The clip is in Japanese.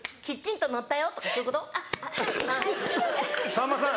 さんまさん